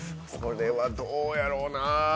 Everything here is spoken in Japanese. これはどうやろうな？